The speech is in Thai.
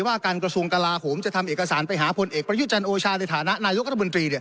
ว่าการกระทรวงกลาโหมจะทำเอกสารไปหาผลเอกประยุจันทร์โอชาในฐานะนายกรัฐมนตรี